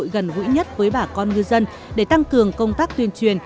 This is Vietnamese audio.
gần gũi nhất với bà con ngư dân để tăng cường công tác tuyên truyền